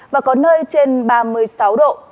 và có nơi trên ba mươi sáu độ